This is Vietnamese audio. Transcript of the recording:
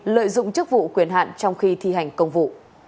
lợi dụng chức vụ quyền hạn trong khi thi hành công vụ